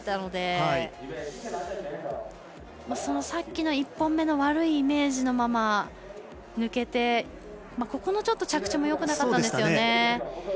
さっきの１本目の悪いイメージのまま抜けて着地もよくなかったんですよね。